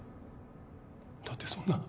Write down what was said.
だってそんな